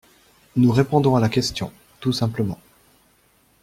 Nous répondons à la question, tout simplement.